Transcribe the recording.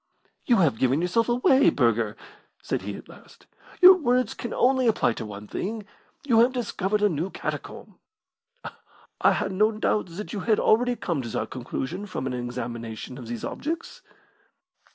"You have given yourself away, Burger!" said he at last. "Your words can only apply to one thing. You have discovered a new catacomb." "I had no doubt that you had already come to that conclusion from an examination of these objects."